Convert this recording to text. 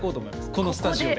このスタジオで。